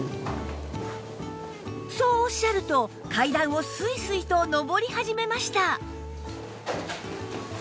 そうおっしゃると階段をスイスイと上り始めました